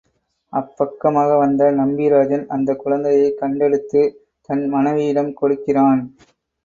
அப்பக்கமாக வந்த நம்பிராஜன் அந்தக் குழந்தையைக் கண்டெடுத்து தன் மனைவியிடம் கொடுக்கிறான்.